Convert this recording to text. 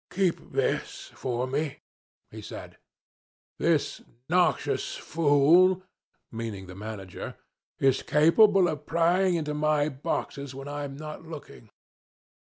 'Keep this for me,' he said. 'This noxious fool' (meaning the manager) 'is capable of prying into my boxes when I am not looking.'